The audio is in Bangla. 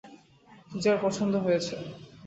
পূজার পছন্দ হয়েছে।